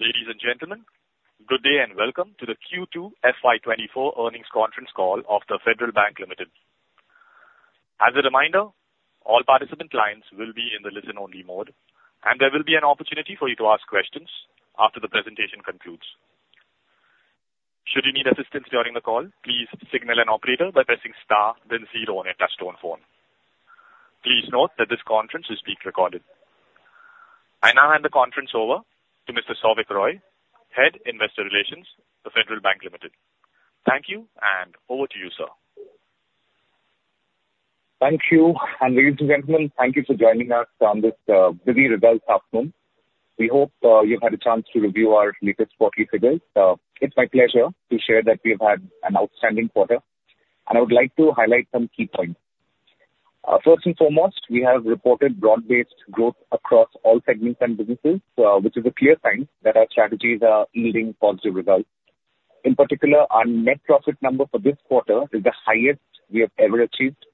Ladies and gentlemen, good day, and welcome to the Q2 FY 2024 earnings conference call of The Federal Bank Limited. As a reminder, all participant lines will be in the listen-only mode, and there will be an opportunity for you to ask questions after the presentation concludes. Should you need assistance during the call, please signal an operator by pressing star then zero on your touchtone phone. Please note that this conference is being recorded. I now hand the conference over to Mr. Souvik Roy, Head, Investor Relations, The Federal Bank Limited. Thank you, and over to you, sir. Thank you. And ladies and gentlemen, thank you for joining us on this, busy result afternoon. We hope, you've had a chance to review our latest quarterly figures. It's my pleasure to share that we've had an outstanding quarter, and I would like to highlight some key points. First and foremost, we have reported broad-based growth across all segments and businesses, which is a clear sign that our strategies are yielding positive results. In particular, our net profit number for this quarter is the highest we have ever achieved.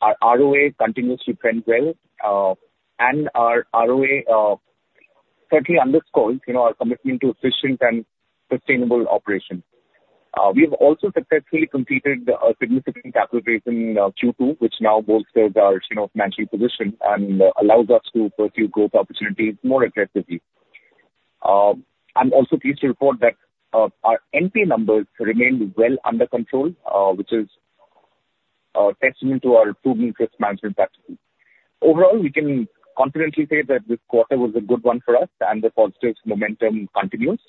Our ROA continues to trend well, and our ROA, certainly underscores, you know, our commitment to efficient and sustainable operations. We have also successfully completed a significant capital raise in Q2, which now bolsters our, you know, financial position and allows us to pursue growth opportunities more aggressively. I'm also pleased to report that, our NP numbers remained well under control, which is a testament to our proven risk management practices. Overall, we can confidently say that this quarter was a good one for us, and the positive momentum continues.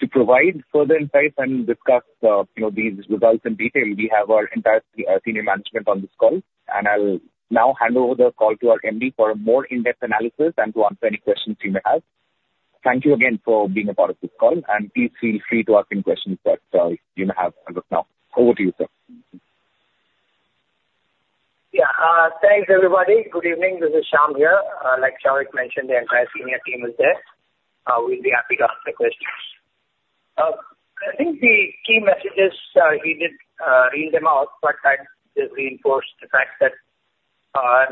To provide further insight and discuss, you know, these results in detail, we have our entire, senior management on this call, and I'll now hand over the call to our MD for a more in-depth analysis and to answer any questions you may have. Thank you again for being a part of this call, and please feel free to ask any questions that, you may have. And with now, over to you, sir. Yeah. Thanks, everybody. Good evening. This is Shyam here. Like Souvik mentioned, the entire senior team is there. We'll be happy to answer questions. I think the key messages, he did read them out, but I'd just reinforce the fact that,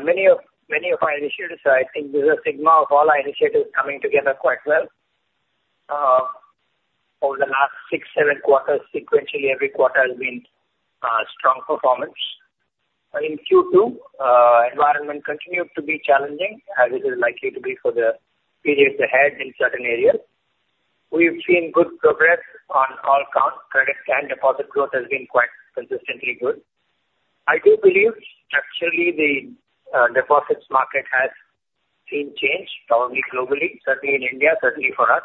many of, many of our initiatives, I think this is a stigma of all our initiatives coming together quite well. Over the last 6-7-quarters, sequentially, every quarter has been strong performance. In Q2, environment continued to be challenging, as it is likely to be for the periods ahead in certain areas. We've seen good progress on all counts. Credit and deposit growth has been quite consistently good. I do believe structurally the deposits market has seen change, probably globally, certainly in India, certainly for us.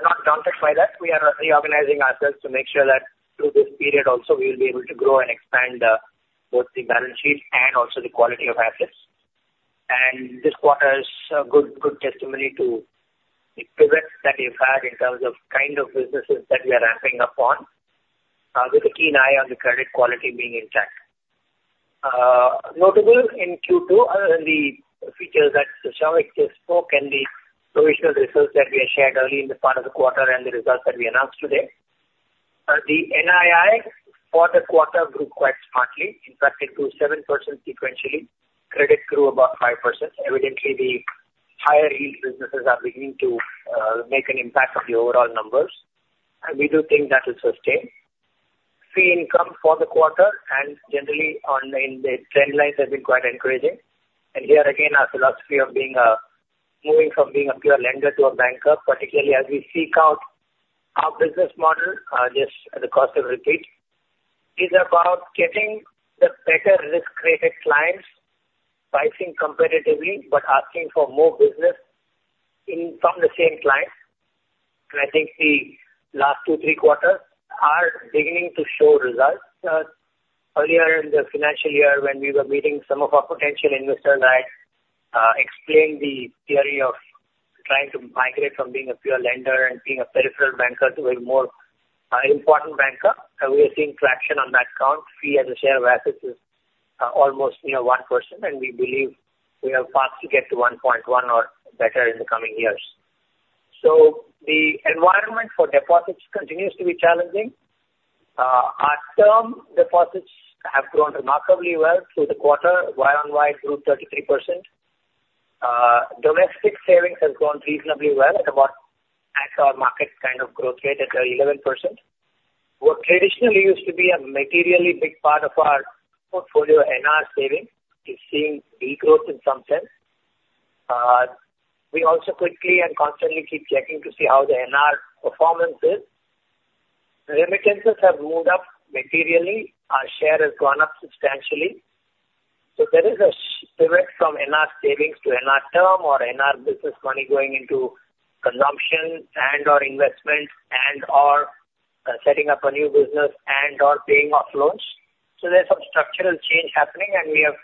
Not daunted by that, we are reorganizing ourselves to make sure that through this period also, we will be able to grow and expand, both the balance sheet and also the quality of our assets. This quarter is a good, good testimony to the progress that we've had in terms of kind of businesses that we are ramping up on, with a keen eye on the credit quality being intact. Notable in Q2 are the features that Souvik just spoke, and the provisional results that we had shared early in the part of the quarter and the results that we announced today. The NII for the quarter grew quite smartly. In fact, it grew 7% sequentially. Credit grew about 5%. Evidently, the higher yield businesses are beginning to make an impact on the overall numbers, and we do think that will sustain. Fee income for the quarter and generally in the trend lines has been quite encouraging. And here again, our philosophy of being moving from being a pure lender to a banker, particularly as we seek out our business model, just at the cost of repeat, is about getting the better risk-rated clients, pricing competitively, but asking for more business from the same clients. And I think the last two, three quarters are beginning to show results. Earlier in the financial year, when we were meeting some of our potential investors, and I explained the theory of trying to migrate from being a pure lender and being a peripheral banker to a more important banker. We are seeing traction on that count. Fee as a share of assets is almost, you know, 1%, and we believe we are fast to get to 1.1% or better in the coming years. So the environment for deposits continues to be challenging. Our term deposits have grown remarkably well through the quarter, year-on-year, grew 33%. Domestic savings has grown reasonably well at about actual market kind of growth rate at 11%. What traditionally used to be a materially big part of our portfolio, NR savings, is seeing degrowth in some sense. We also quickly and constantly keep checking to see how the NR performance is. Remittances have moved up materially. Our share has gone up substantially. So there is a pivot from NR savings to NR term or NR business money going into consumption and/or investment and/or, setting up a new business and/or paying off loans. So there's some structural change happening, and we have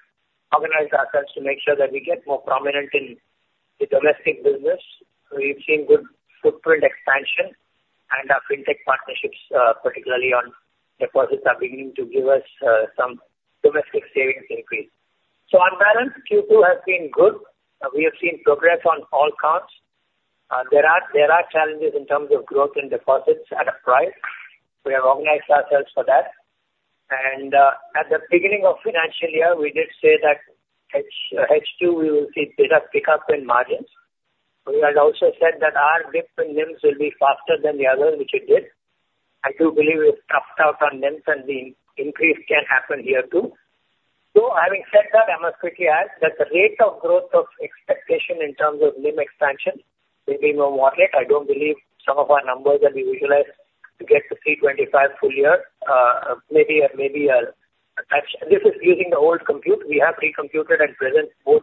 organized ourselves to make sure that we get more prominent in the domestic business. We've seen good footprint expansion, and our fintech partnerships, particularly on deposits, are beginning to give us, some domestic savings increase. So on balance, Q2 has been good. We have seen progress on all counts. There are challenges in terms of growth in deposits at a price. We have organized ourselves for that.... and, at the beginning of financial year, we did say that H2, we will see better pickup in margins. We had also said that our dip in NIMs will be faster than the other, which it did. I do believe we've toughed out on NIMs, and the increase can happen here, too. So having said that, I must quickly add that the rate of growth of expectation in terms of NIM expansion will be more moderate. I don't believe some of our numbers that we visualize to get to 3.25 full year, maybe a touch. This is using the old compute. We have recomputed and present both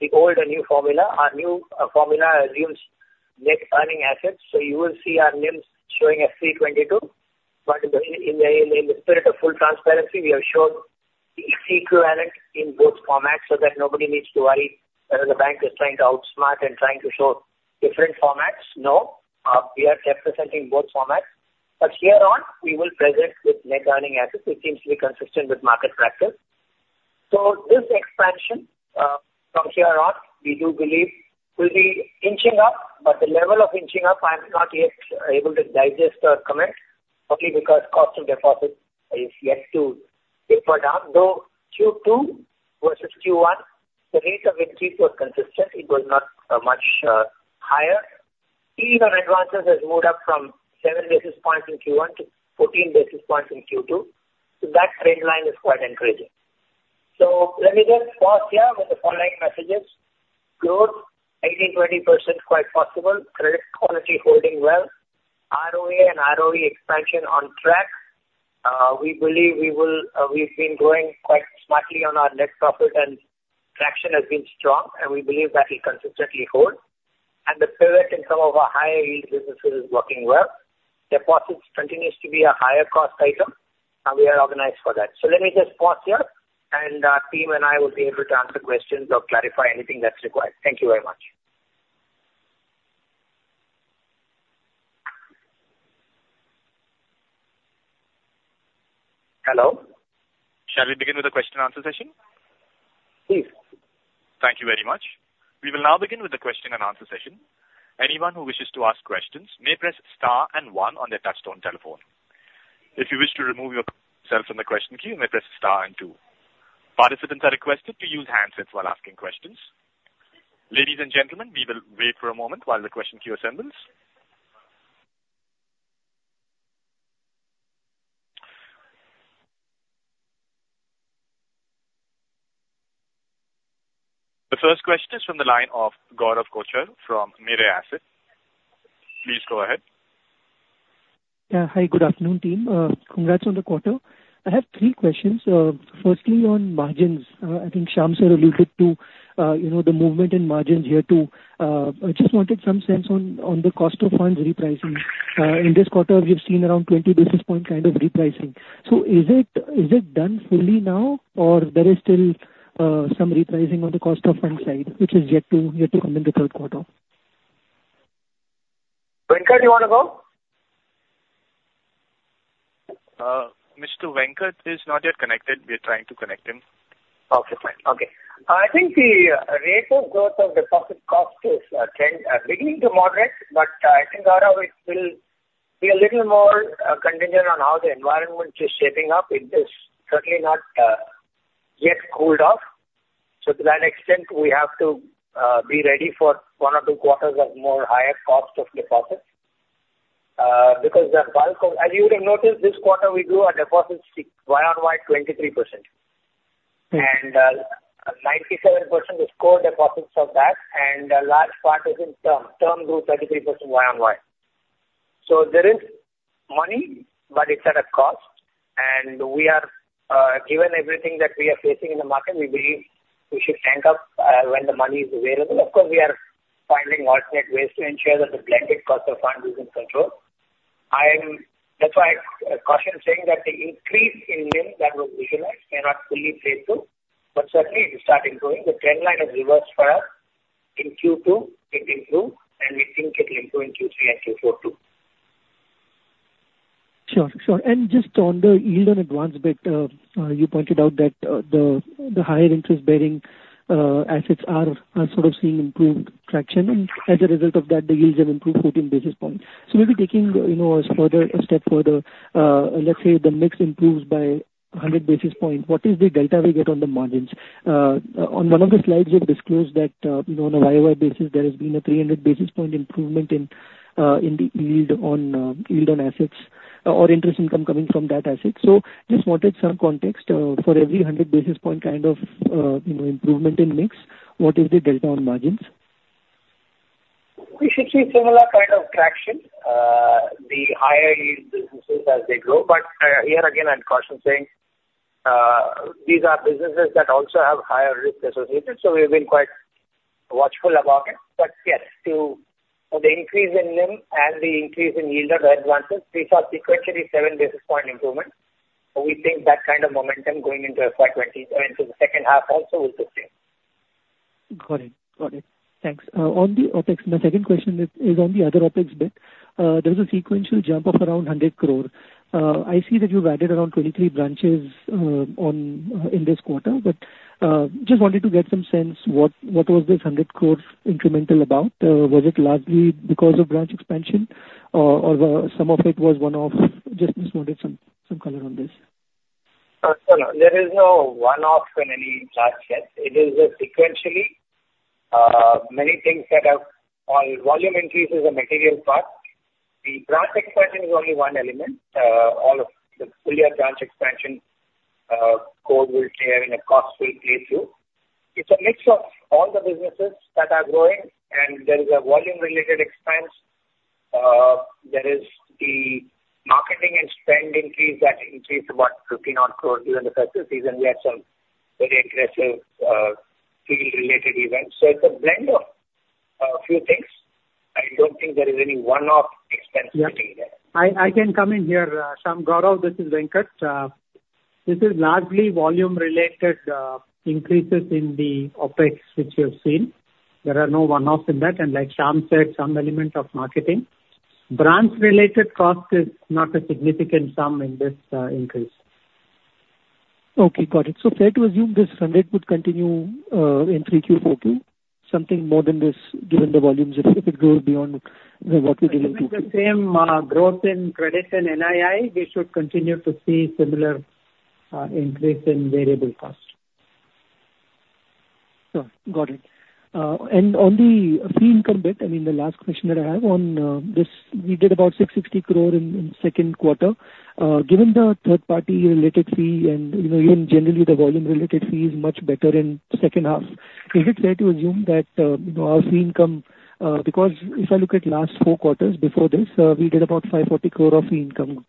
the old and new formula. Our new formula assumes net earning assets, so you will see our NIMs showing a 3.22. But in the spirit of full transparency, we have showed the equivalent in both formats so that nobody needs to worry whether the bank is trying to outsmart and trying to show different formats. No, we are representing both formats. But hereon, we will present with net earning assets, which seems to be consistent with market practice. So this expansion from hereon, we do believe will be inching up, but the level of inching up, I'm not yet able to digest or comment, okay, because cost of deposit is yet to taper down. Though Q2 versus Q1, the rate of increase was consistent. It was not much higher. Even advances has moved up from 7 basis points in Q1 to 14 basis points in Q2. So that trend line is quite encouraging. So let me just pause here with the following messages: Growth, 18%-20% quite possible. Credit quality holding well. ROA and ROE expansion on track. We believe we will, we've been growing quite smartly on our net profit, and traction has been strong, and we believe that will consistently hold. And the pivot in some of our higher yield businesses is working well. Deposits continues to be a higher cost item, and we are organized for that. So let me just pause here, and, team and I will be able to answer questions or clarify anything that's required. Thank you very much. Hello? Shall we begin with the question and answer session? Please. Thank you very much. We will now begin with the question and answer session. Anyone who wishes to ask questions may press star and one on their touch-tone telephone. If you wish to remove yourself from the question queue, you may press star and two. Participants are requested to use handsets while asking questions. Ladies and gentlemen, we will wait for a moment while the question queue assembles. The first question is from the line of Gaurav Kochar from Mirae Asset. Please go ahead. Yeah. Hi, good afternoon, team. Congrats on the quarter. I have three questions. Firstly, on margins, I think Shyam sir alluded to, you know, the movement in margins here, too. I just wanted some sense on the cost of funds repricing. In this quarter, we've seen around 20 basis points kind of repricing. So is it, is it done fully now, or there is still some repricing on the cost of fund side, which is yet to, yet to come in the third quarter? Venkat, you wanna go? Mr. Venkat is not yet connected. We are trying to connect him. Okay, fine. Okay. I think the rate of growth of deposit cost is a trend beginning to moderate, but I think, Gaurav, it will be a little more contingent on how the environment is shaping up. It is certainly not yet cooled off. So to that extent, we have to be ready for one or two quarters of more higher cost of deposits, because the bulk of... As you would have noticed, this quarter, we grew our deposits year-on-year 23%. Mm-hmm. 97% is core deposits of that, and a large part is in term, term grew 33% year-on-year. So there is money, but it's at a cost, and we are, given everything that we are facing in the market, we believe we should tank up when the money is available. Of course, we are finding alternate ways to ensure that the blended cost of funds is in control. I mean, that's why I caution saying that the increase in NIM that we've visualized may not fully play through, but certainly it is starting to grow. The trend line has reversed for us. In Q2, it improved, and we think it will improve in Q3 and Q4, too. Sure, sure. And just on the yield on advances bit, you pointed out that the higher interest-bearing assets are sort of seeing improved traction, and as a result of that, the yields have improved 14 basis points. So maybe taking, you know, a further step further, let's say the mix improves by 100 basis points, what is the delta we get on the margins? On one of the slides, you've disclosed that, you know, on a year-on-year basis, there has been a 300 basis point improvement in the yield on assets or interest income coming from that asset. So just wanted some context for every 100 basis points kind of, you know, improvement in mix, what is the delta on margins? We should see similar kind of traction, the higher yield businesses as they grow. But, here again, I'd caution saying, these are businesses that also have higher risk associated, so we've been quite watchful about it. But yes, the increase in NIM and the increase in yield on the advances, we saw sequentially seven basis point improvement. So we think that kind of momentum going into 20 into the second half also is the same. Got it. Got it. Thanks. On the OpEx, my second question is on the other OpEx bit. There was a sequential jump of around 100 crore. I see that you've added around 23 branches in this quarter, but just wanted to get some sense what was this 100 crore incremental about? Was it largely because of branch expansion? Or some of it was one-off? Just wanted some color on this. So no, there is no one-off in any large set. It is sequentially many things that have volume increases a material part. The branch expansion is only one element. All of the full year branch expansion cost will share in a cost play through. It's a mix of all the businesses that are growing and there is a volume-related expense. There is the marketing and spend increase that increased about 15-odd crore during the first season. We had some very aggressive field-related events. So it's a blend of a few things. I don't think there is any one-off expense sitting there. Yeah. I, I can come in here, Shyam, Gaurav, this is Venkat. This is largely volume-related increases in the OpEx, which you have seen. There are no one-offs in that, and like Shyam said, some element of marketing. Branch-related cost is not a significant sum in this increase. Okay, got it. So fair to assume this run rate would continue in 3Q14, something more than this, given the volumes, if it goes beyond what we believe- The same growth in credit and NII, we should continue to see similar increase in variable cost. Sure. Got it. And on the fee income bit, I mean, the last question that I have on this, we did about 660 crore in second quarter. Given the third party related fee and, you know, even generally the volume related fee is much better in second half, is it fair to assume that, you know, our fee income, because if I look at last four quarters before this, we did about 540 crore of fee income.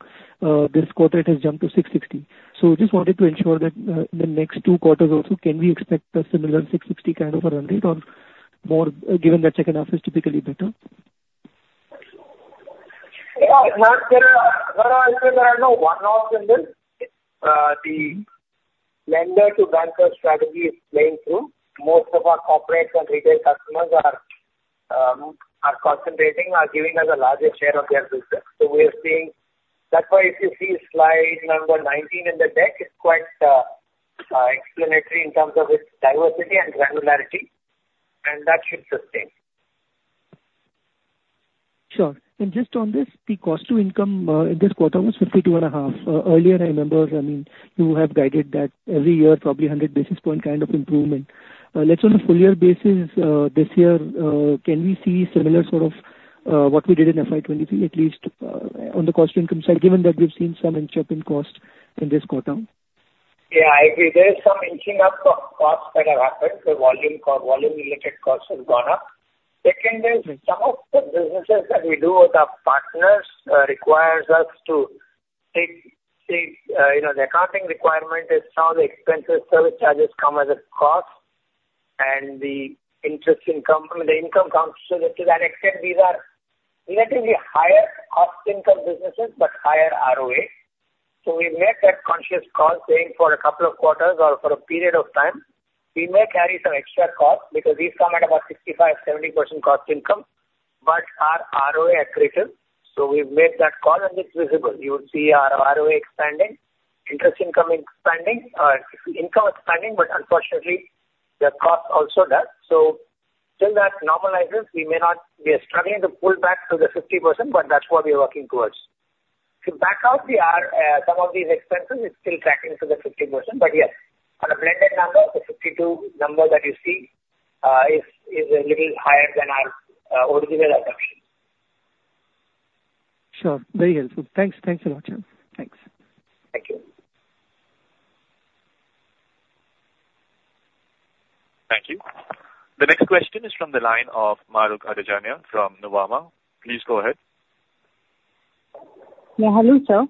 This quarter it has jumped to 660. So just wanted to ensure that, the next two quarters also, can we expect a similar 660 kind of a run rate or more, given that second half is typically better? Yeah, there are no one-offs in this. The lender to banker strategy is playing through. Most of our corporate and retail customers are concentrating, are giving us a larger share of their business. So we are seeing... That's why if you see slide number 19 in the deck, it's quite explanatory in terms of its diversity and granularity, and that should sustain. Sure. And just on this, the cost to income in this quarter was 52.5. Earlier, I remember, I mean, you have guided that every year, probably 100 basis points kind of improvement. Let's on a full year basis, this year, can we see similar sort of, what we did in FY 2023, at least, on the cost to income side, given that we've seen some inch up in cost in this quarter? Yeah, I agree. There is some inching up of costs that have happened. So volume-related costs have gone up. Second is, some of the businesses that we do with our partners requires us to take, you know, the accounting requirement is some of the expenses, service charges come as a cost, and the interest income, the income comes to that extent. These are relatively higher cost income businesses, but higher ROA. So we made that conscious call, saying for a couple of quarters or for a period of time, we may carry some extra cost because these come at about 65%-70% cost income, but our ROA accretive. So we've made that call and it's visible. You'll see our ROA expanding, interest income expanding, income expanding, but unfortunately, the cost also does. So till that normalizes, we may not... We are struggling to pull back to the 50%, but that's what we are working towards. To back out some of these expenses, it's still tracking to the 50%. But yes, on a blended number, the 52 number that you see is a little higher than our original assumption. Sure. Very helpful. Thanks. Thanks a lot, Sham. Thanks. Thank you. Thank you. The next question is from the line of Mahrukh Adajania from Nuvama. Please go ahead. Yeah, hello, sir.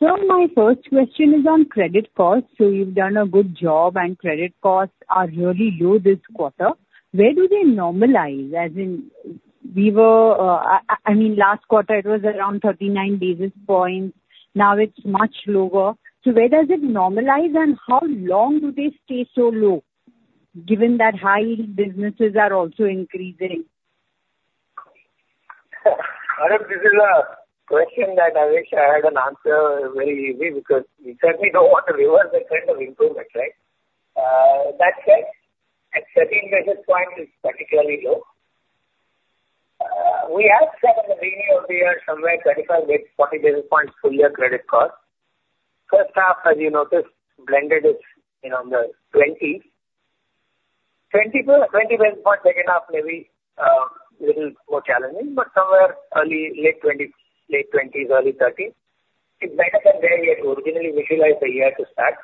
So my first question is on credit costs. So you've done a good job, and credit costs are really low this quarter. Where do they normalize? As in, we were, I mean, last quarter it was around 39 basis points. Now it's much lower. So where does it normalize, and how long do they stay so low, given that high yield businesses are also increasing? Mahrukh, this is a question that I wish I had an answer very easy, because we certainly don't want to reverse the trend of improvement, right? That said, at 13 basis points is particularly low. We have said in the beginning of the year, somewhere 35-40 basis points, full year credit cost. First half, as you noticed, blended is, you know, in the 20s. 20-20 basis for second half may be little more challenging, but somewhere early, late 20s, late 20s, early 30s, it's better than where we had originally visualized the year to start.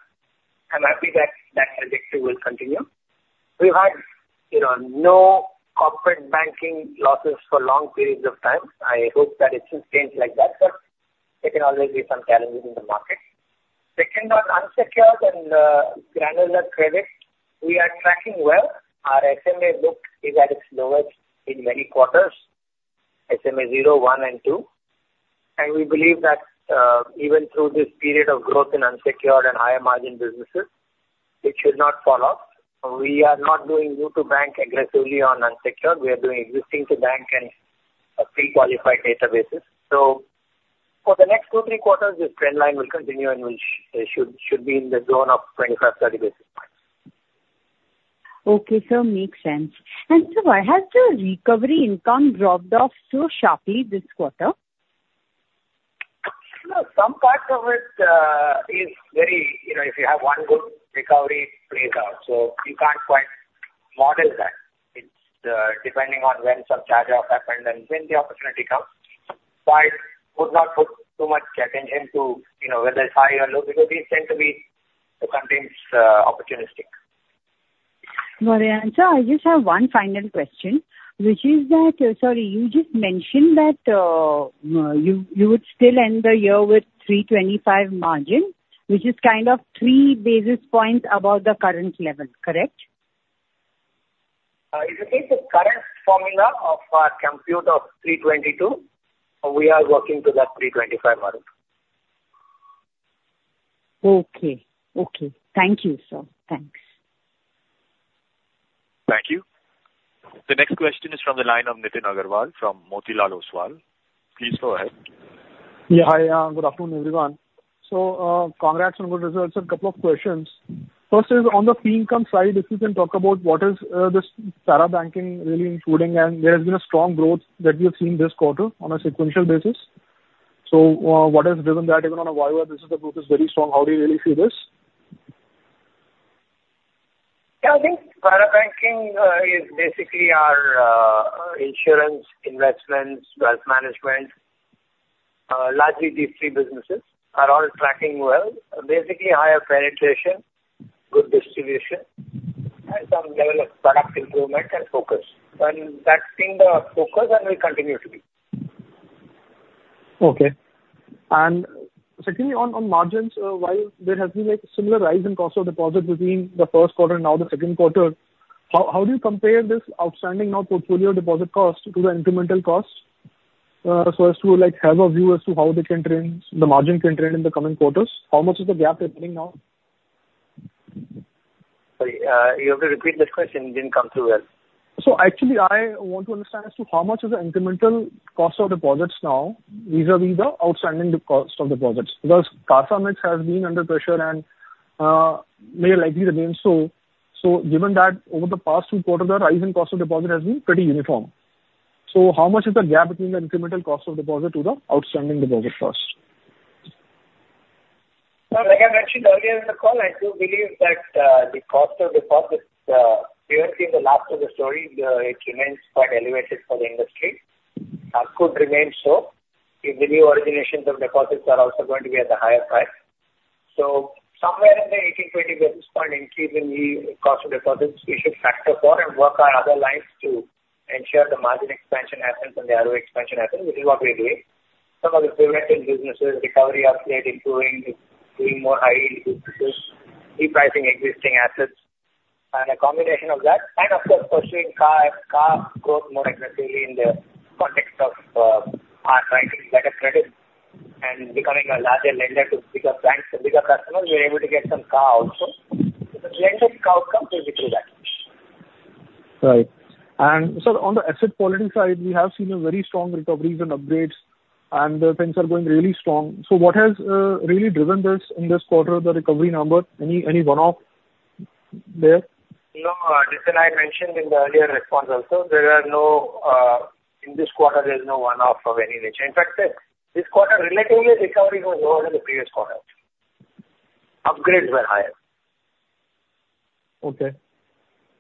I'm happy that that trajectory will continue. We've had, you know, no corporate banking losses for long periods of time. I hope that it remains like that, but there can always be some challenges in the market. Second, on unsecured and granular credit, we are tracking well. Our SMA book is at its lowest in many quarters, SMA zero, one, and two. And we believe that, even through this period of growth in unsecured and higher margin businesses, it should not fall off. We are not doing new to bank aggressively on unsecured. We are doing existing to bank and pre-qualified databases. So for the next 2-3-quarters, this trend line will continue and we should be in the zone of 25-30 basis points. ... Okay, sir, makes sense. Sir, why has the recovery income dropped off so sharply this quarter? No, some parts of it is very, you know, if you have one good recovery, it plays out, so you can't quite model that. It's depending on when some charge off happened and when the opportunity comes. So I would not put too much attention to, you know, whether it's high or low, because these tend to be sometimes opportunistic. Got it. And sir, I just have one final question, which is that, sorry, you just mentioned that you would still end the year with 3.25 margin, which is kind of 3 basis points above the current level, correct? If you take the current formula of our computation of 3.22, we are working to that 3.25 margin. Okay. Okay. Thank you, sir. Thanks. Thank you. The next question is from the line of Nitin Aggarwal from Motilal Oswal. Please go ahead. Yeah, hi, good afternoon, everyone. So, congrats on good results. A couple of questions. First is on the fee income side, if you can talk about what is this para-banking really including, and there has been a strong growth that we have seen this quarter on a sequential basis. So, what has driven that, even on a YOY basis, the growth is very strong. How do you really see this? Yeah, I think para-banking is basically our insurance, investments, wealth management. Largely these three businesses are all tracking well. Basically, higher penetration, good distribution, and some level of product improvement and focus. And that's been the focus and will continue to be. Okay. And secondly, on margins, while there has been a similar rise in cost of deposit between the first quarter and now the second quarter, how do you compare this outstanding now portfolio deposit cost to the incremental cost, so as to, like, have a view as to how they can trend, the margin can trend in the coming quarters? How much is the gap opening now? Sorry, you have to repeat this question. It didn't come through well. So actually, I want to understand as to how much is the incremental cost of deposits now vis-a-vis the outstanding cost of deposits? Because CASA mix has been under pressure and may likely remain so. So given that, over the past two quarters, the rise in cost of deposit has been pretty uniform. So how much is the gap between the incremental cost of deposit to the outstanding deposit cost? Sir, like I mentioned earlier in the call, I do believe that, the cost of deposits, clearly in the last of the story, it remains quite elevated for the industry, and could remain so. If the new originations of deposits are also going to be at the higher price. So somewhere in the 18-20-basis point increase in the cost of deposits, we should factor for and work our other lines to ensure the margin expansion happens and the ROE expansion happens, which is what we are doing. Some of the selective businesses, recovery up, state improving, is being more high to reduce repricing existing assets and a combination of that, and of course, pursuing CASA, CASA growth more aggressively in the context of us writing better credit and becoming a larger lender to bigger banks and bigger customers, we are able to get some CASA also. So the lender CASA outcome will be through that. Right. And sir, on the asset quality side, we have seen a very strong recoveries and upgrades, and the things are going really strong. So what has really driven this in this quarter, the recovery number? Any one-off there? No, Nitin, I mentioned in the earlier response also, there are no, in this quarter, there is no one-off of any nature. In fact, this quarter, relatively, recovery was lower than the previous quarter. Upgrades were higher. Okay.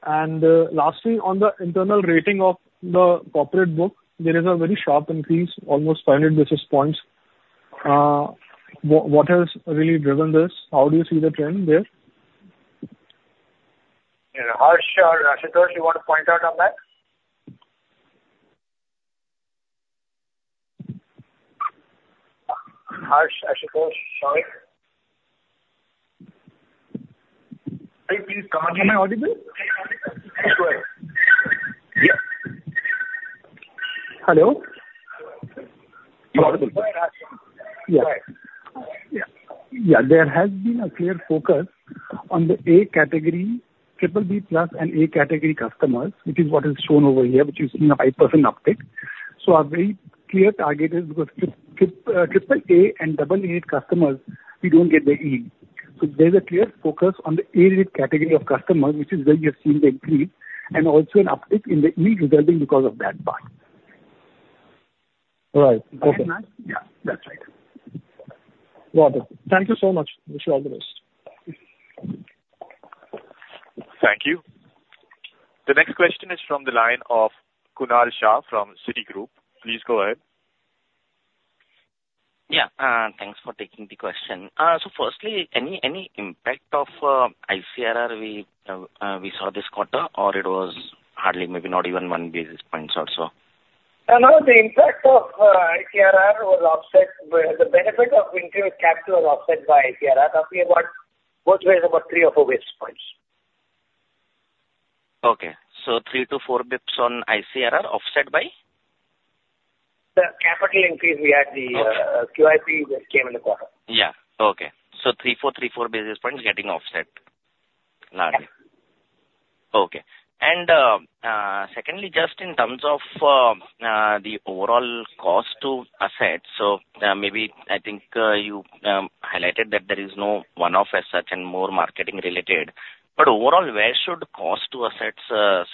Lastly, on the internal rating of the corporate book, there is a very sharp increase, almost 500 basis points. What has really driven this? How do you see the trend there? Yeah. Harsh or Ashutosh, you want to point out on that? Harsh, Ashutosh, Shyam? Please come on your- Am I audible? Go ahead. Yeah. Hello? You're audible. Yeah. Yeah. Yeah, there has been a clear focus on the A category, BBB+ and A category customers, which is what is shown over here, which is seen a high percentage uptick. So our very clear target is because AAA and AA customers, we don't get the yield. So there's a clear focus on the A category of customers, which is where you have seen the increase, and also an uptick in the yield resulting because of that part. All right. Okay. Yeah, that's right. Got it. Thank you so much. Wish you all the best. Thank you. The next question is from the line of Kunal Shah from Citigroup. Please go ahead. Yeah, thanks for taking the question. So firstly, any impact of ICRR we saw this quarter, or it was hardly, maybe not even one basis points also? No, the impact of ICRR was offset with... The benefit of increased capital was offset by ICRR, roughly about, both ways, about 3 or 4 basis points. Okay. So 3-4 basis points on ICRR offset by? The capital increase we had, the QIP just came in the quarter. Yeah. Okay. So 34, 34 basis points getting offset largely. Yes. Okay. And, secondly, just in terms of, the overall cost to assets. So, maybe I think, you, highlighted that there is no one-off as such and more marketing related, but overall, where should cost to assets,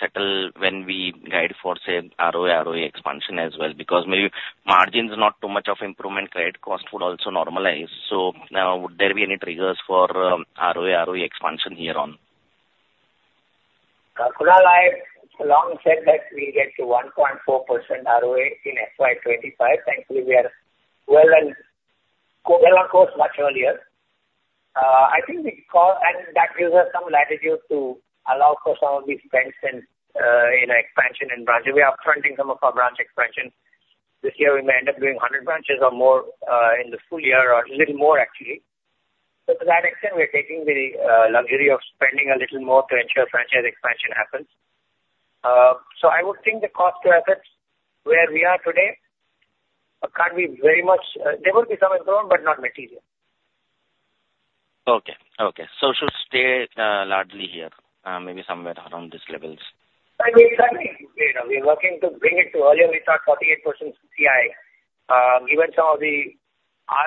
settle when we guide for, say, ROE, ROE expansion as well? Because maybe margin is not too much of improvement, credit cost would also normalize. So, now, would there be any triggers for, ROA, ROE expansion here on? Kunal, I long said that we get to 1.4% ROA in FY 2025. Thankfully, we are well and well on course much earlier. I think the cost, and that gives us some latitude to allow for some of these banks and, you know, expansion in branch. We are up-fronting some of our branch expansion. This year, we may end up doing 100 branches or more, in the full year, or a little more actually. So to that extent, we are taking the, luxury of spending a little more to ensure franchise expansion happens. So I would think the cost to assets where we are today, can't be very much. There will be some growth, but not material. Okay. Okay. So should stay, largely here, maybe somewhere around these levels? Exactly. We are working to bring it to earlier, we thought 48% CI. Given some of the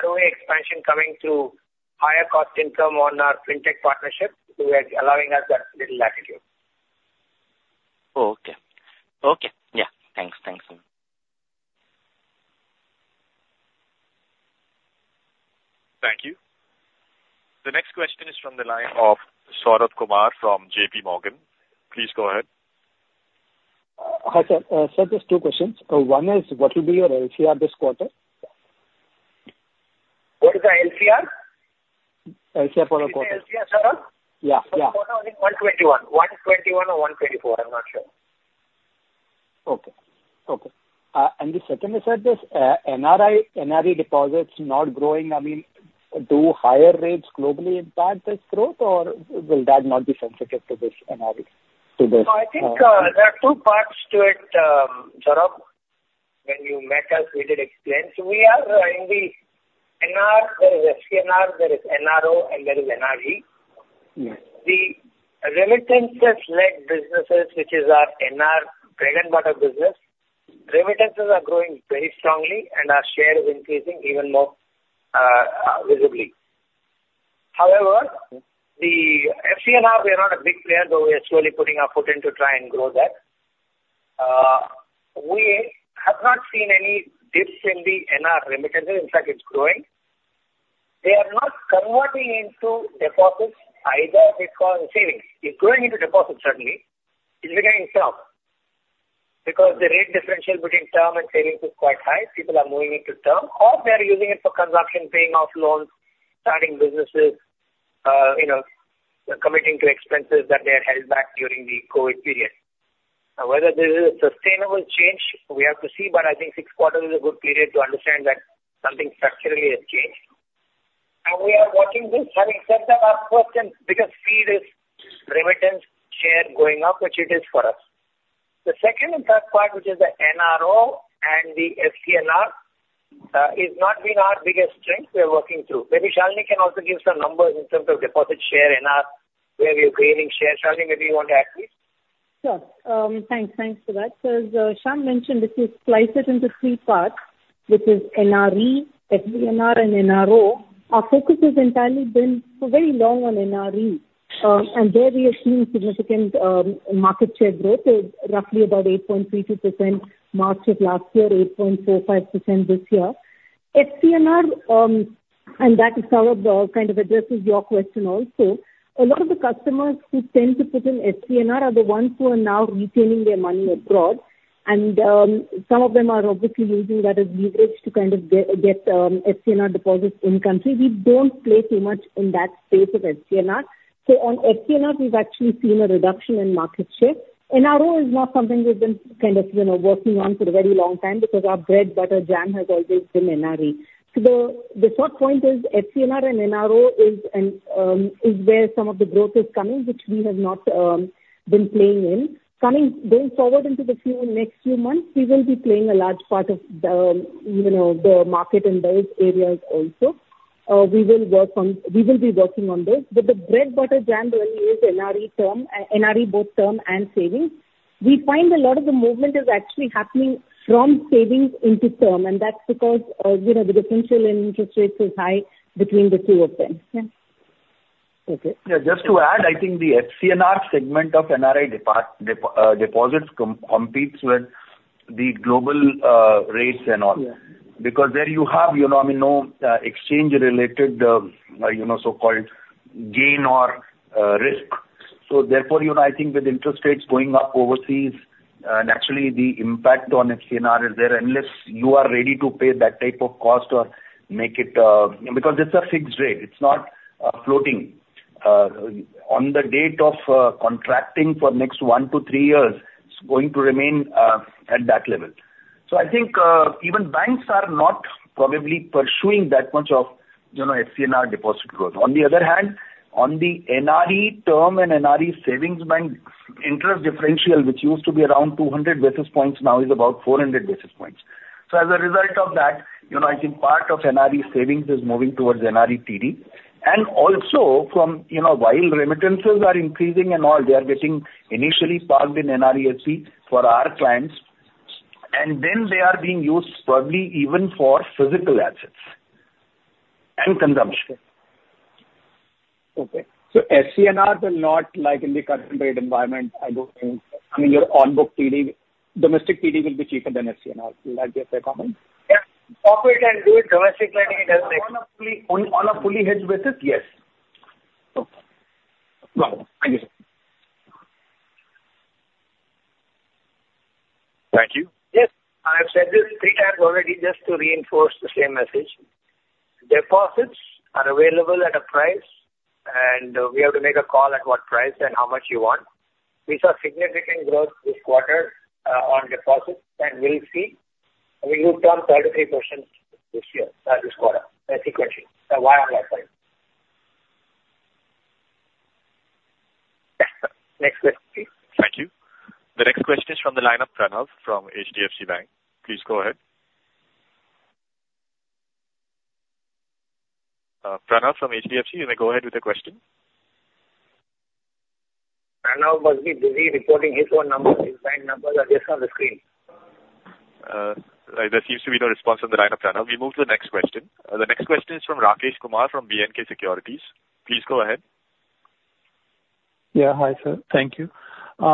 ROA expansion coming through higher cost income on our Fintech partnership, so we are allowing us that little latitude. Oh, okay. Okay. Yeah. Thanks. Thanks. Thank you. The next question is from the line of Saurabh Kumar from JP Morgan. Please go ahead. Hi, sir. Sir, just two questions. One is, what will be your LCR this quarter? What is the LCR? LCR for the quarter. LCR, sir? Yeah, yeah. 121. 121 or 124, I'm not sure. Okay. Okay, and the second is that this, NRE, NRE deposits not growing. I mean, do higher rates globally impact this growth, or will that not be sensitive to this NRE, to this- No, I think, there are two parts to it, Saurabh. When you met us, we did explain. So we are in the NR, there is FCNR, there is NRO, and there is NRE. Yes. The remittances-led businesses, which is our NR bread and butter business, remittances are growing very strongly, and our share is increasing even more visibly. However, the FCNR, we are not a big player, though we are slowly putting our foot in to try and grow that. We have not seen any dips in the NR remittances. In fact, it's growing. They are not converting into deposits either because savings. It's going into deposits certainly, it's becoming term, because the rate differential between term and savings is quite high. People are moving into term, or they are using it for consumption, paying off loans, starting businesses, you know, committing to expenses that they had held back during the COVID period. Now, whether this is a sustainable change, we have to see, but I think six quarter is a good period to understand that something structurally has changed. And we are watching this. Having said that, of course, and because we see this remittance share going up, which it is for us. The second and third part, which is the NRO and the FCNR, is not been our biggest strength we are working through. Maybe Shalini can also give some numbers in terms of deposit share in our, where we are gaining share. Shalini, maybe you want to add, please? Sure. Thanks. Thanks for that. So as Shyam mentioned, if you slice it into three parts, which is NRE, FCNR, and NRO, our focus has entirely been for very long on NRE. And there we are seeing significant market share growth, roughly about 8.32%, March of last year, 8.45% this year. FCNR, and that is sort of the, kind of addresses your question also. A lot of the customers who tend to put in FCNR are the ones who are now retaining their money abroad, and some of them are obviously using that as leverage to kind of get FCNR deposits in country. We don't play too much in that space of FCNR. So on FCNR, we've actually seen a reduction in market share. NRO is not something we've been kind of, you know, working on for a very long time because our bread, butter, jam has always been NRE. So the third point is FCNR and NRO is where some of the growth is coming, which we have not been playing in. Going forward into the next few months, we will be playing a large part of the, you know, the market in those areas also. We will work on... We will be working on this, but the bread, butter, jam really is NRE term, NRE, both term and savings. We find a lot of the movement is actually happening from savings into term, and that's because, you know, the differential in interest rates is high between the two of them. Yeah. Okay. Yeah, just to add, I think the FCNR segment of NRI deposits competes with the global rates and all. Yeah. Because there you have, you know, I mean, no exchange-related, you know, so-called gain or risk. So therefore, you know, I think with interest rates going up overseas, naturally, the impact on FCNR is there, unless you are ready to pay that type of cost or make it... Because it's a fixed rate, it's not floating. On the date of contracting for next one to three years, it's going to remain at that level. So I think, even banks are not probably pursuing that much of, you know, FCNR deposit growth. On the other hand, on the NRE term and NRE savings bank, interest differential, which used to be around 200 basis points, now is about 400 basis points.... So as a result of that, you know, I think part of NRE savings is moving towards NRE TD, and also from, you know, while remittances are increasing and all, they are getting initially parked in NRE FD for our clients, and then they are being used probably even for physical assets and consumption. Okay. So FCNR will not, like, in the current rate environment, I don't think, I mean, your on-book TD, domestic TD will be cheaper than FCNR. Will that be a fair comment? Yeah. Off it and do it domestic lending it has like- On a fully hedged basis, yes. Okay. Well, thank you, sir. Thank you. Yes, I've said this three times already, just to reinforce the same message. Deposits are available at a price, and, we have to make a call at what price and how much you want. We saw significant growth this quarter, on deposits, and we'll see. We grew 10.3% this year, this quarter, sequentially, so Y on Y side. Next question, please. Thank you. The next question is from the line of Pranav from HDFC Bank. Please go ahead. Pranav from HDFC, you may go ahead with your question. Pranav must be busy recording his own numbers. His line numbers are just on the screen. There seems to be no response on the line of Pranav. We move to the next question. The next question is from Rakesh Kumar from B&K Securities. Please go ahead. Yeah. Hi, sir. Thank you. So,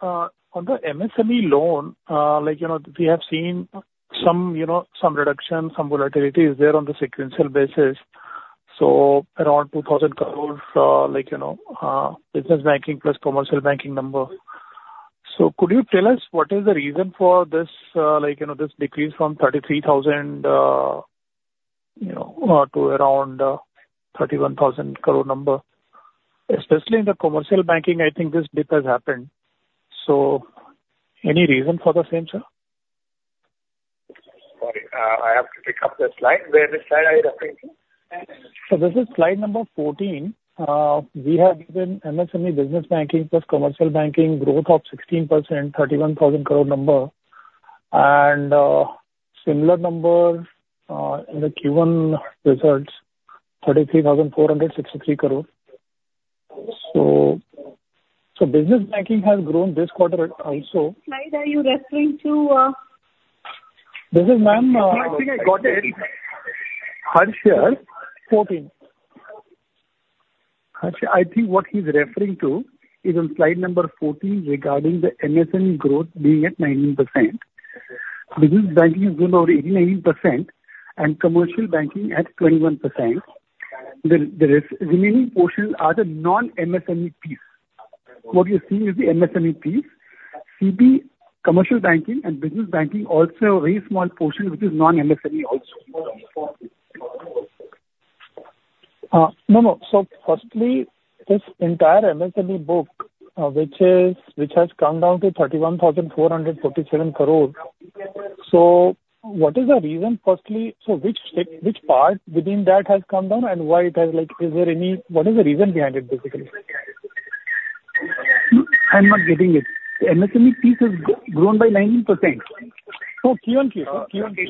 on the MSME loan, like, you know, we have seen some, you know, some reduction, some volatility is there on the sequential basis, so around 2,000 crore, like, you know, business banking plus commercial banking number. So could you tell us what is the reason for this, like, you know, this decrease from 33,000 crore to around 31,000 crore number? Especially in the commercial banking, I think this dip has happened. So any reason for the same, sir? Sorry, I have to pick up the slide. Where the slide are you referring to? So this is slide number 14. We have given MSME business banking plus commercial banking growth of 16%, 31,000 crore number, and similar numbers in the Q1 results, 33,463 crore. So business banking has grown this quarter also. Slide are you referring to? This is, ma'am. I think I got it. Harsh, fourteen. Harsh, I think what he's referring to is on slide number 14, regarding the MSME growth being at 19%. Business banking is growing at 18%-19% and commercial banking at 21%. The remaining portions are the non-MSME piece. What you're seeing is the MSME piece. CB, commercial banking, and business banking also a very small portion, which is non-MSME also. No, no. So firstly, this entire MSME book, which has come down to 31,447 crore, so what is the reason, firstly, so which part within that has come down, and why it has, like, is there any... What is the reason behind it, basically? I'm not getting it. The MSME piece has grown by 19%. So Q1 case, Q1 case.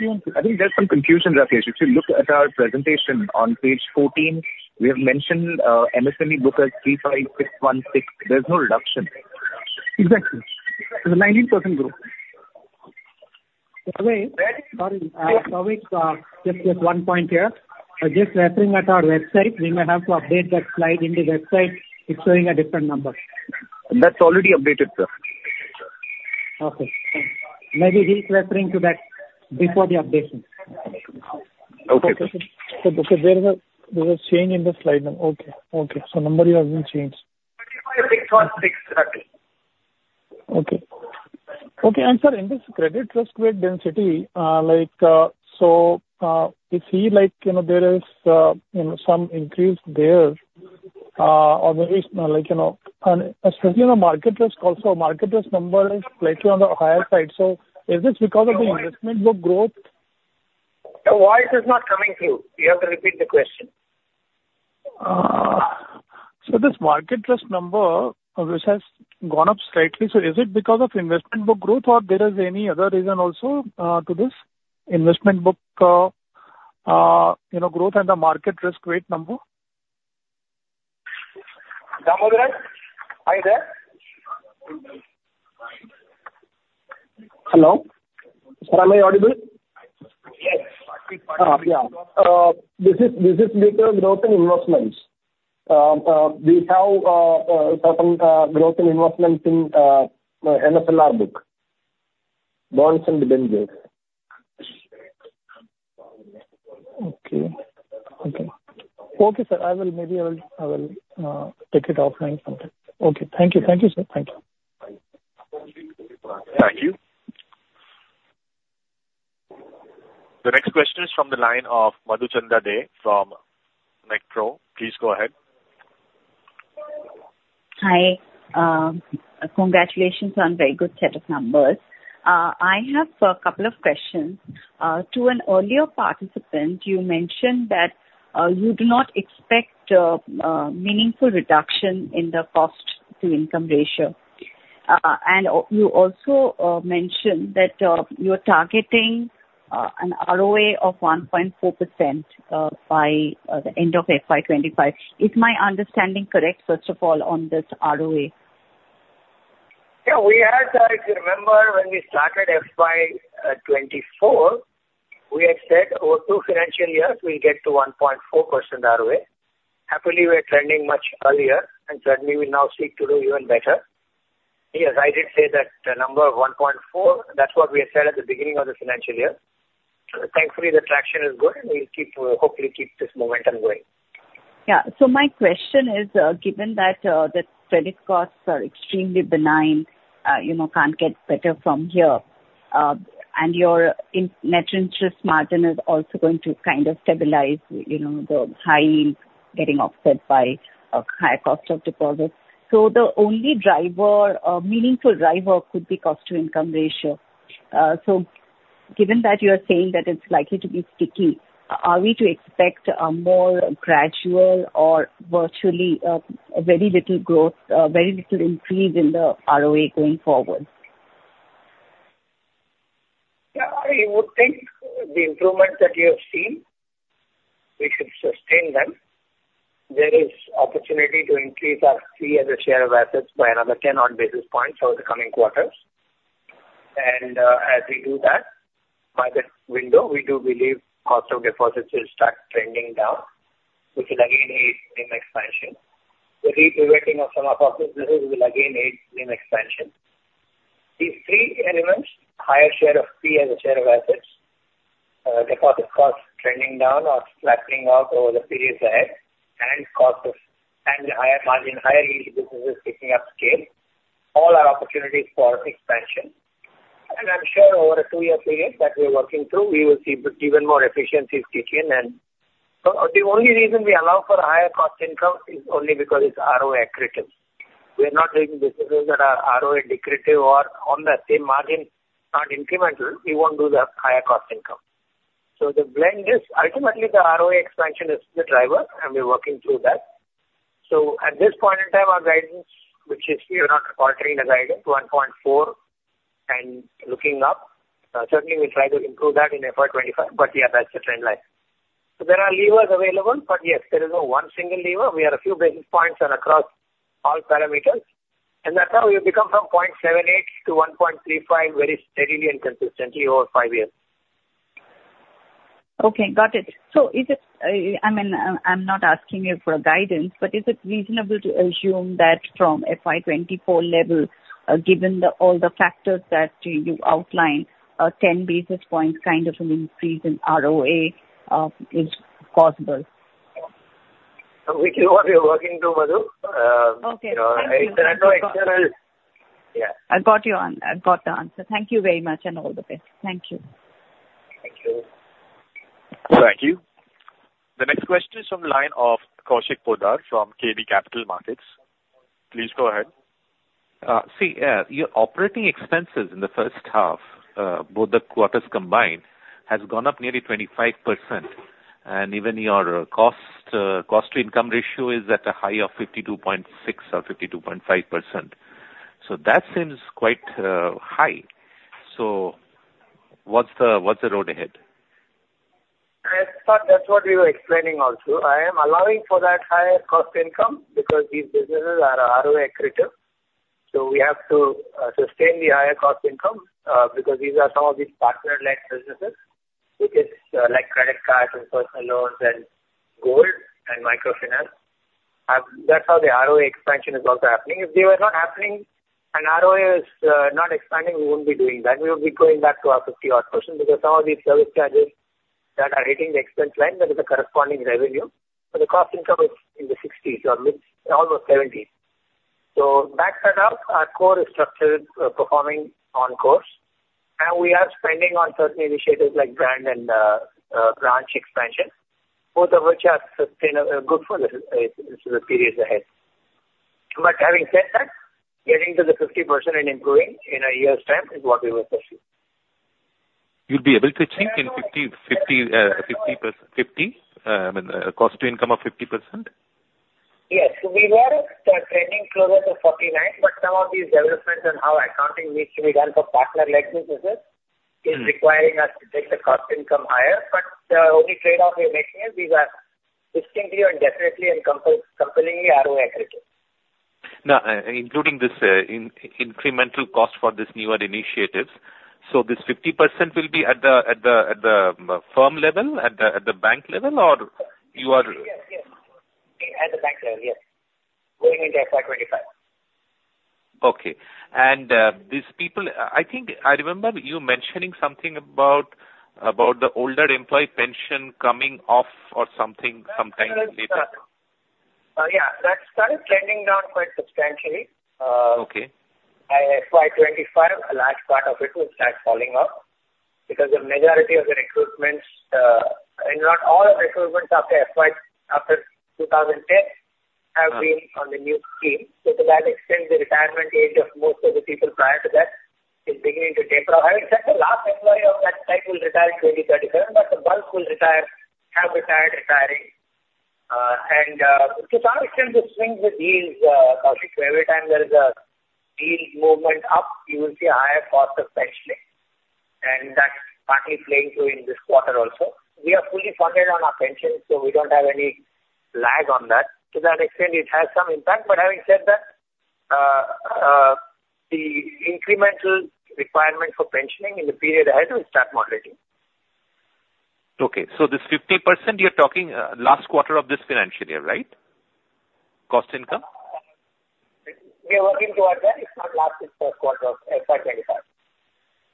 Q1 case. I think there's some confusion, Rakesh. If you look at our presentation on page 14, we have mentioned MSME book as 35,616. There's no reduction. Exactly. It's a 19% growth. Sorry, just one point here. Just referring at our website, we may have to update that slide in the website. It's showing a different number. That's already updated, sir. Okay, thank you. Maybe he's referring to that before the update. Okay. So, there was change in the slide number. Okay. Okay, so number hasn't changed. 35616, exactly. Okay. Okay, and sir, in this credit risk weight density, like, so, we see like, you know, there is, you know, some increase there, or like, you know, and especially in the market risk also, market risk number is slightly on the higher side. So is this because of the investment book growth? The voice is not coming through. You have to repeat the question. So this market risk number, which has gone up slightly, so is it because of investment book growth, or there is any other reason also, to this investment book, you know, growth and the market risk weight number? Damodar, are you there? Hello? Am I audible? Yes. Yeah. This is because growth in investments. We have certain growth in investments in MCLR book, bonds and debentures. Okay. Okay. Okay, sir, I will, maybe I will, I will, take it offline sometime. Okay. Thank you. Thank you, sir. Thank you. Thank you. The next question is from the line of Madhukar Ladha from Nuvama. Please go ahead. Hi. Congratulations on very good set of numbers. I have a couple of questions. To an earlier participant, you mentioned that you do not expect meaningful reduction in the cost-to-income ratio. And you also mentioned that you're targeting an ROA of 1.4% by the end of FY 2025. Is my understanding correct, first of all, on this ROA? Yeah, we had, if you remember when we started FY 2024, we had said over two financial years, we'll get to 1.4% ROA. Happily, we're trending much earlier, and certainly we now seek to do even better. Yes, I did say that the number of 1.4, that's what we had said at the beginning of the financial year. So thankfully, the traction is good, and we'll keep, hopefully keep this momentum going. Yeah. So my question is, given that the credit costs are extremely benign, you know, can't get better from here, and your net interest margin is also going to kind of stabilize, you know, the high yields getting offset by a high cost of deposit. So the only driver, a meaningful driver, could be cost-to-income ratio. So given that you are saying that it's likely to be sticky, are we to expect a more gradual or virtually very little growth, very little increase in the ROA going forward? Yeah, I would think the improvements that you have seen, we should sustain them. There is opportunity to increase our fee as a share of assets by another 10 odd basis points over the coming quarters. And, as we do that, by this window, we do believe cost of deposits will start trending down, which will again aid in expansion. The repivoting of some of our businesses will again aid in expansion. These three elements, higher share of fee as a share of assets, deposit costs trending down or flattening out over the periods ahead, and higher margin, higher yield businesses picking up scale, all are opportunities for expansion. And I'm sure over a two-year period that we're working through, we will see even more efficiencies kick in. And so the only reason we allow for higher cost income is only because it's ROA accretive. We are not doing businesses that are ROA decretive or on the same margin, not incremental. We won't do the higher cost income. So the blend is ultimately the ROA expansion is the driver, and we're working through that. So at this point in time, our guidance, which is we are not altering the guidance, 1.4 and looking up. Certainly, we try to improve that in FY 2025, but yeah, that's the trend line. So there are levers available, but yes, there is no one single lever. We are a few basis points and across all parameters, and that's how we've become from 0.78 to 1.35 very steadily and consistently over five years. Okay, got it. So is it, I mean, I'm not asking you for a guidance, but is it reasonable to assume that from FY 2024 level, given all the factors that you outlined, ten basis points, kind of an increase in ROA, is possible? Which is what we are working to, Madhu. Okay. You know, there are no external... Yeah. I got you on. I got the answer. Thank you very much and all the best. Thank you. Thank you. Thank you. The next question is from the line of Kaushik Poddar from KB Capital Markets. Please go ahead. See, your operating expenses in the first half, both the quarters combined, has gone up nearly 25%, and even your cost, cost-to-income ratio is at a high of 52.6% or 52.5%. So that seems quite high. So what's the road ahead? I thought that's what we were explaining also. I am allowing for that higher cost income because these businesses are ROA accretive. So we have to sustain the higher cost income because these are some of these partner-led businesses, which is like credit cards and personal loans and gold and microfinance. That's how the ROA expansion is also happening. If they were not happening and ROA is not expanding, we wouldn't be doing that. We would be going back to our 50-odd%, because some of these service charges that are hitting the expense line, there is a corresponding revenue. So the cost income is in the 60s or mid- to almost 70%. So, that said, our core is structured, performing on course, and we are spending on certain initiatives like brand and branch expansion, both of which are sustainable, good for the periods ahead. But having said that, getting to the 50% and improving in a year's time is what we will pursue. You'll be able to achieve in 50/50, I mean, cost to income of 50%? Yes. We were trending closer to 49, but some of these developments and how accounting needs to be done for partner-led businesses- Mm. is requiring us to take the cost income higher. But the only trade-off we're making is these are distinctly and definitely and compellingly ROA accretive. Now, including this incremental cost for this newer initiatives, so this 50% will be at the firm level, at the bank level, or you are- Yes, yes. At the bank level, yes. Going into FY 2025. Okay. And these people... I think I remember you mentioning something about, about the older employee pension coming off or something sometime later. Yeah, that started trending down quite substantially. Okay. By FY 2025, a large part of it will start falling off because the majority of the recruitments, and not all of the recruitments after FY, after 2010, have been on the new scheme. To that extent, the retirement age of most of the people prior to that is beginning to taper off. Having said, the last employee of that type will retire in 2037, but the bulk will retire, have retired, retiring. And, to some extent, this swings with yields, Kaushik. So every time there is a yield movement up, you will see a higher cost of pensioning, and that's partly playing to in this quarter also. We are fully funded on our pensions, so we don't have any lag on that. To that extent, it has some impact. But having said that, the incremental requirement for pensioning in the period ahead will start moderating. Okay, so this 50%, you're talking last quarter of this financial year, right? Cost income? We are working towards that. It's not last, it's first quarter of FY 2025.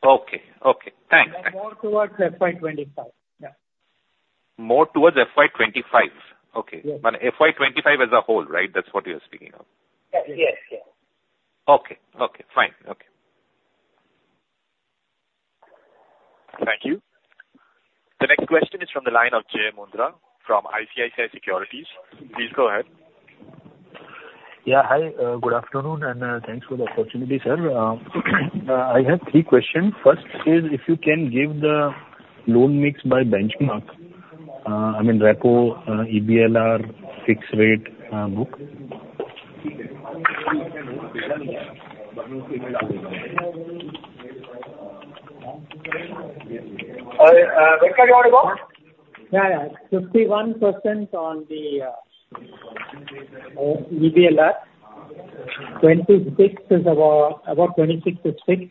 Okay. Okay, thanks. More towards FY 2025. Yeah. More towards FY 2025? Okay. Yes. But FY 2025 as a whole, right? That's what you're speaking of. Yes. Yes. Yes. Okay. Okay, fine. Okay. Thank you. The next question is from the line of Jai Mundra from ICICI Securities. Please go ahead. Yeah, hi. Good afternoon, and thanks for the opportunity, sir. I have three questions. First is if you can give the loan mix by benchmark. I mean, repo, EBLR, fixed rate, book. Venkatraman. Yeah, yeah. 51% on the EBLR. 26 is about 26-6,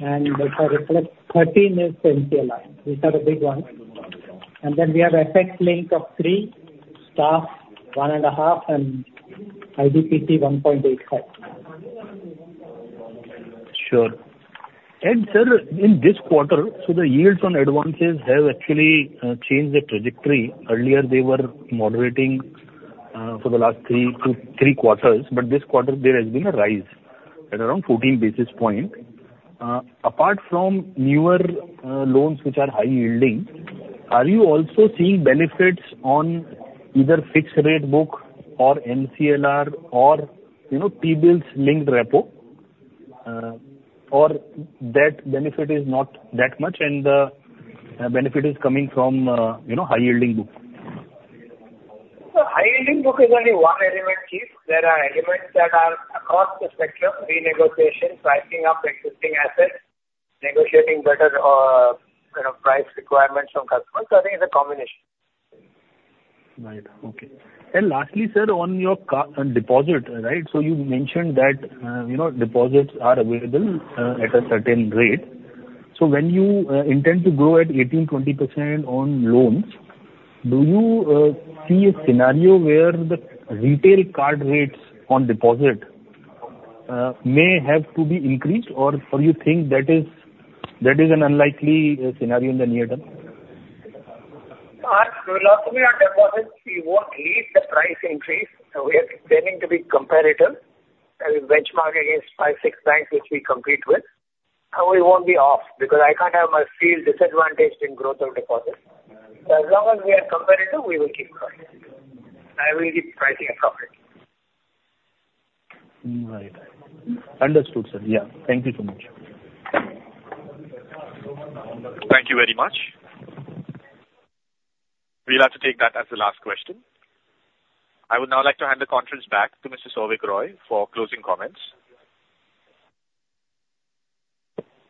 and for repo plus, 13 is MCLR. These are the big ones. And then we have FX link of three, staff 1.5, and IBPC, 1.85. Sure. And, sir, in this quarter, so the yields on advances have actually changed their trajectory. Earlier, they were moderating for the last three to three quarters, but this quarter there has been a rise at around 14 basis point. Apart from newer loans, which are high yielding, are you also seeing benefits on either fixed rate book or MCLR or, you know, T-bills linked repo? Or that benefit is not that much, and the benefit is coming from, you know, high-yielding book. So high-yielding book is only one element, chief. There are elements that are across the spectrum: renegotiation, pricing of existing assets, negotiating better, you know, price requirements from customers. So I think it's a combination. Right. Okay. And lastly, sir, on your CASA deposit, right? So you mentioned that, you know, deposits are available at a certain rate. So when you intend to grow at 18%-20% on loans, do you see a scenario where the retail card rates on deposit may have to be increased, or, or you think that is, that is an unlikely scenario in the near term? So lastly, on deposits, we won't lead the price increase, so we are tending to be comparative and benchmark against five, six banks which we compete with. And we won't be off, because I can't have a steep disadvantage in growth of deposits. So as long as we are comparative, we will keep growing. I will keep pricing appropriately. Right. Understood, sir. Yeah. Thank you so much. Thank you very much. We'll have to take that as the last question. I would now like to hand the conference back to Mr. Souvik Roy for closing comments.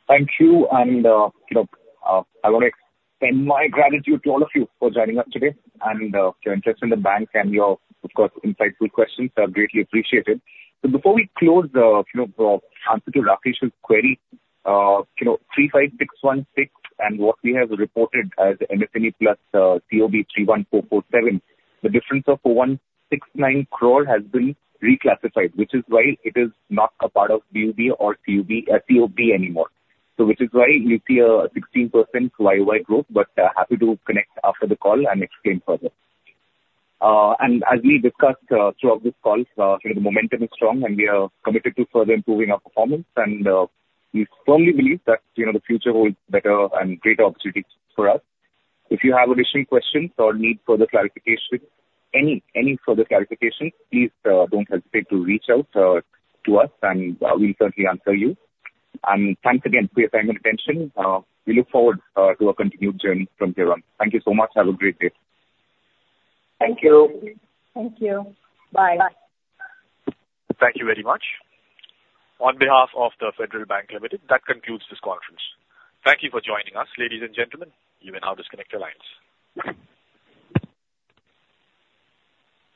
Thank you, and, look, I want to extend my gratitude to all of you for joining us today and, your interest in the bank and your, of course, insightful questions are greatly appreciated. So before we close, you know, to answer to Rakesh's query, you know, 35616 and what we have reported as MSME+ COB 31447, the difference of 169 crore has been reclassified, which is why it is not a part of BuB or CoB COB anymore. So which is why you see a 16% YOY growth, but, happy to connect after the call and explain further. As we discussed throughout this call, you know, the momentum is strong, and we are committed to further improving our performance, and we firmly believe that, you know, the future holds better and greater opportunities for us. If you have additional questions or need further clarification, any, any further clarification, please don't hesitate to reach out to us, and we'll certainly answer you. Thanks again for your time and attention. We look forward to a continued journey from here on. Thank you so much. Have a great day. Thank you. Thank you. Bye. Thank you very much. On behalf of The Federal Bank Limited, that concludes this conference. Thank you for joining us, ladies and gentlemen. You may now disconnect your lines.